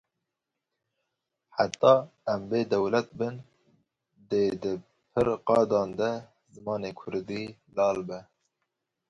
Heta em bêdewlet bin dê di pir qadan de zimanê Kurdi lal be.